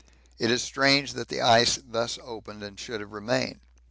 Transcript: It is strange that the ice thus opened should have remained.